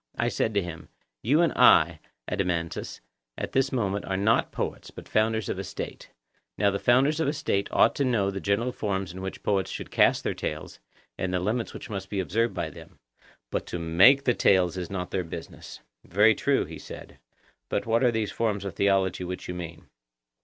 I said to him, You and I, Adeimantus, at this moment are not poets, but founders of a State: now the founders of a State ought to know the general forms in which poets should cast their tales, and the limits which must be observed by them, but to make the tales is not their business. Very true, he said; but what are these forms of theology which you mean?